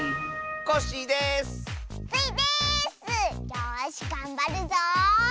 よしがんばるぞ！